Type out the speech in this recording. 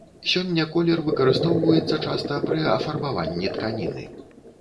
Сёння колер выкарыстоўваецца часта пры афарбаванні тканіны.